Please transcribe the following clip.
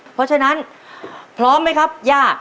เพราะฉะนั้นพร้อมไหมครับย่า